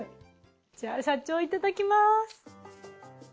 じゃあ社長いただきます。